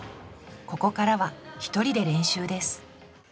ここからは１人で練習です。